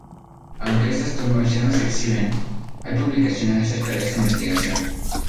Aunque estas tumbas ya no se exhiben, hay publicaciones acerca de esta investigación.